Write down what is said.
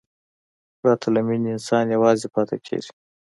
پرته له مینې، انسان یوازې پاتې کېږي.